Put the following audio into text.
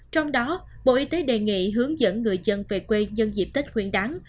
trong đó bộ y tế đề nghị hướng dẫn người dân về quê nhân dịp tết nguyên đáng